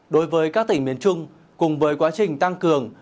đối với các tỉnh miền trung cùng với quá trình tăng cường